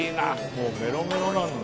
もうメロメロなんだ。